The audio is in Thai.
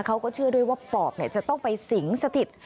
เขาก็เชื่อด้วยว่าปอบจะต้องไปสิงสถิต